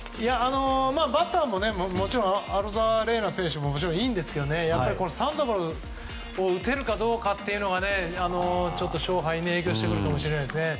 バッターもアロザレーナ選手ももちろんいいんですがサンドバルを打てるかどうかというのが勝敗に影響してくるかもしれないです。